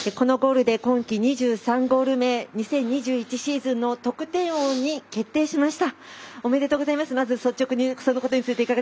このゴールで今季２３ゴール目２１シーズンの得点王に決定しました。